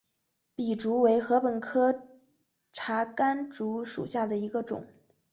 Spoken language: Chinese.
笔竹为禾本科茶秆竹属下的一个种。